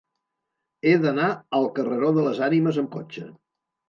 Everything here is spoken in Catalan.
He d'anar al carreró de les Ànimes amb cotxe.